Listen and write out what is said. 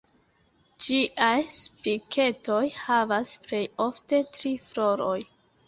Ĝiaj Spiketoj havas plej ofte tri floroj.